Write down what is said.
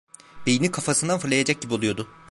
Beyni kafasından fırlayacak gibi oluyordu.